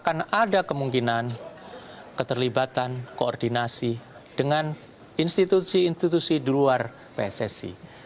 karena akan ada kemungkinan keterlibatan koordinasi dengan institusi institusi di luar pssi